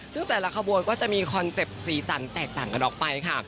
ซึ่งแต่ละขบวนก็จะมีคอนเซ็ปต์สีสันแตกต่างกันออกไปค่ะ